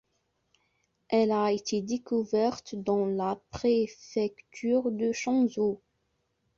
Elle a été découverte dans la préfecture de Chenzhou.